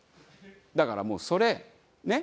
だからもうそれねっ？